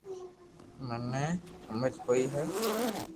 مني ھمج ڪوئي ّئي